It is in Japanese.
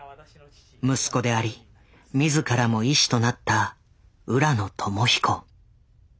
息子であり自らも医師となった浦野友彦。